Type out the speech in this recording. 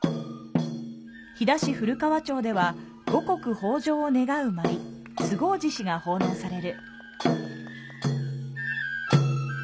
飛騨市古川町では、五穀豊穣を願う舞、数河獅子が奉納される。